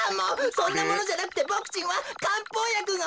そんなものじゃなくてボクちんはかんぽうやくがほしいのです。